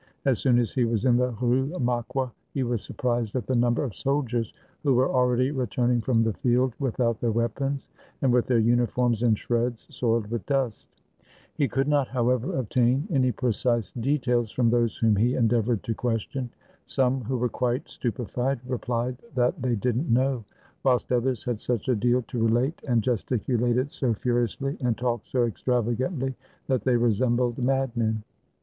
As soon as he was in the Rue Maqua he was surprised at the number of soldiers who were already returning from the field wdthout their weapons, and with their uniforms in shreds, soiled with dust. He could not, however, obtain 391 FRANCE any precise details from those whom he endeavored to question. Some, who were quite stupefied, replied that they did n't know; whilst others had such a deal to relate, and gesticulated so furiously, and talked so ex travagantly, that they resembled madmen.